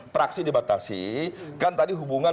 praksi dibatasi kan tadi hubungan